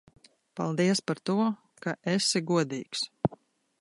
Paldies par to, ka esi godīgs.